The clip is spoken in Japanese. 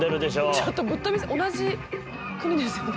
ちょっとぶっ飛び同じ国ですよね？